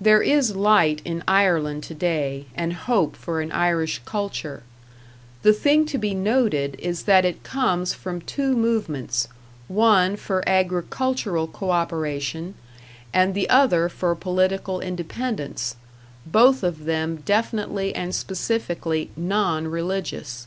There is light in Ireland to day, and hope for an Irish culture; the thing to be noted is that it comes from two movements, one for agricultural co operation and the other for political independence both of them definitely and specifically non religious.